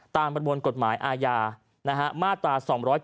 ประมวลกฎหมายอาญามาตรา๒๗